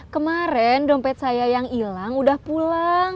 kemaren dompet saya yang ilang udah pulang